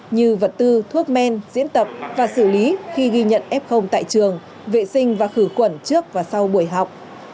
như vật tư thuốc men diễn tập và xử lý khi ghi nhận f tại trường vệ sinh và khử khuẩn trước và sau buổi học